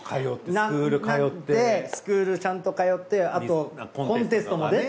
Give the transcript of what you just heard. スクールちゃんと通ってあとコンテストも出て。